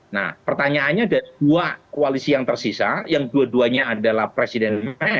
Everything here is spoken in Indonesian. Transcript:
nah pertanyaannya dari dua koalisi yang tersisa yang dua duanya adalah presiden